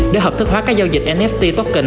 để hợp thức hóa các giao dịch nft token